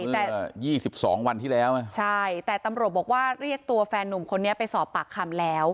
เมื่อ๒๒วันที่แล้วใช่แต่ตำรวจบอกว่าเรียกตัวแฟนนุ่มคนนี้ไปสอบปากคำแล้ว